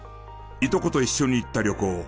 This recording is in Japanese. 従兄弟と一緒に行った旅行。